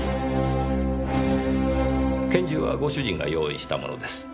拳銃はご主人が用意したものです。